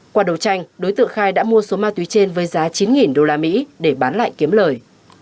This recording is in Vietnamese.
qua đầu tranh đối tượng khai đã mua số ma túy trên với giá chín usd để bán lại kiếm lời